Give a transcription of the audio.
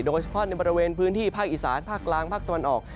โดยเฉพาะในบริเวณพื้นที่ภาคอีสานภาคกลางภาคตะวันออก